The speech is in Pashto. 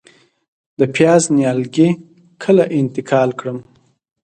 د پیاز نیالګي کله انتقال کړم؟